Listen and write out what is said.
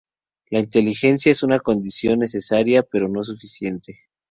La inteligencia es condición necesaria pero no suficiente.